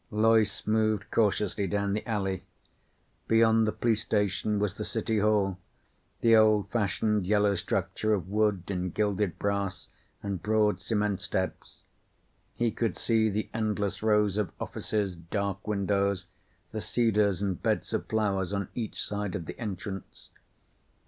_ Loyce moved cautiously down the alley. Beyond the police station was the City Hall, the old fashioned yellow structure of wood and gilded brass and broad cement steps. He could see the endless rows of offices, dark windows, the cedars and beds of flowers on each side of the entrance.